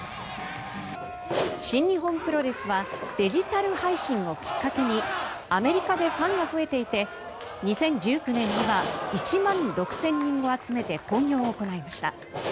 新日本プロレスはデジタル配信をきっかけにアメリカでファンが増えていて２０１９年には１万６０００人を集めて興行を行いました。